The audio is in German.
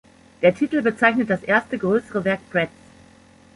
Der Titel bezeichnet das erste größere Werk Pratts.